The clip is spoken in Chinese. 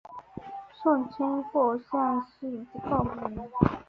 顺天府乡试第二名。